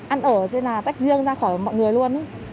ăn ở sẽ là tách riêng ra khỏi mọi người luôn